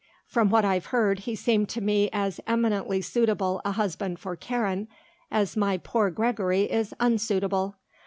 "From what I've heard he seemed to me as eminently suitable a husband for Karen as my poor Gregory is unsuitable.